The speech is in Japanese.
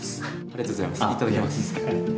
ありがとうございます頂きます。